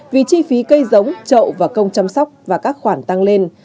kỳ phí cây giống trậu và công chăm sóc và các khoản tăng lên